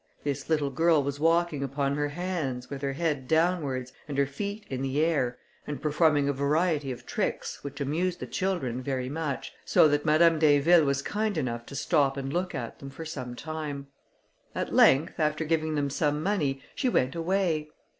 This little girl was walking upon her hands, with her head downwards, and her feet in the air, and performing a variety of tricks, which amused the children very much, so that Madame d'Inville was kind enough to stop and look at them for some time. At length, after giving them some money, she went away.